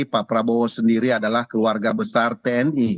pak prabowo sendiri adalah keluarga besar tni